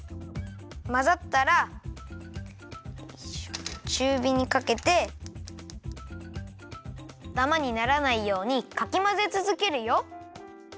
まざったらちゅうびにかけてダマにならないようにかきまぜつづけるよ。